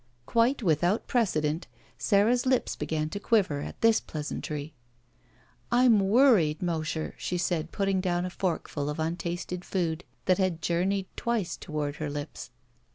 Quite without precedent Sara's lips began to quiver at this pleasantry. "I'm worried, Mosher," she said, putting down a forkftd of untasted food that had journeyed twice toward her lips.